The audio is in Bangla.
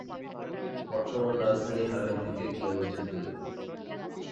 বর্তমান রাজধানী হ্যানয় থেকে কিলোমিটার দূরে।